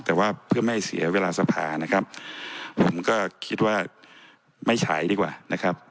แต่ว่าเพื่อไม่เสียเวลาสภานะครับผมก็คิดว่าไม่ฉายดีกว่านะครับ